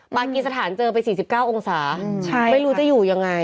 กิจสถานเจอไป๔๙องศาไม่รู้จะอยู่ยังไง